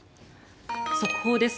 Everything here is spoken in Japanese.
速報です。